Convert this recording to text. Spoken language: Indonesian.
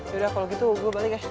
yaudah kalau gitu gue balik ya